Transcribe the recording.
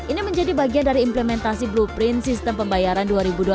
ini menjadi bagian dari implementasi blueprint sistem pembayaran dua ribu dua puluh